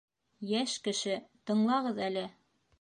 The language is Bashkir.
Йәш кеше, тыңлағыҙ әле!